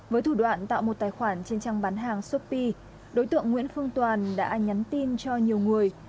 với thủ đoạn tạo một tài khoản trên trang bán hàng shopee đối tượng nguyễn phương toàn đã nhắn tin cho nhiều người